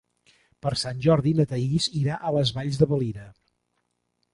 Per Sant Jordi na Thaís irà a les Valls de Valira.